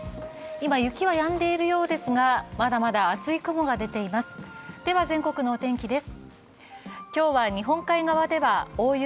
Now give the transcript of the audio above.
今、雪はやんでいるようですが、まだまだ厚い雲が出ています。